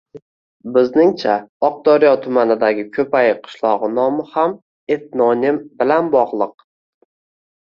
Bizningcha, Oqdaryo tumanidagi Ko‘payi qishlog‘i nomi ham etnonim bilan bog‘liq.